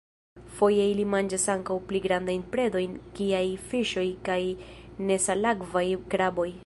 Foje ili manĝas ankaŭ pli grandajn predojn kiaj fiŝoj kaj nesalakvaj kraboj.